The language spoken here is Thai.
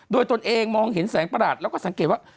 โดยตนเองมองเห็นแสงประหลาดแล้วก็สังเกตว่า